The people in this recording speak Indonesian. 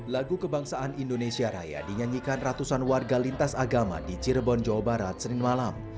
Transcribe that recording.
lagu kebangsaan indonesia raya dinyanyikan ratusan warga lintas agama di cirebon jawa barat senin malam